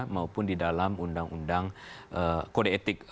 maupun di dalam undang undang kode etik